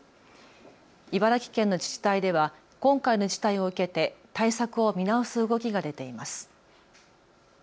茨城県の自治体では今回の事態を受けて対策を見直す動きが出ています。